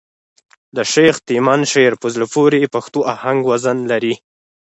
د شېخ تیمن شعر په زړه پوري پښتو آهنګ وزن لري.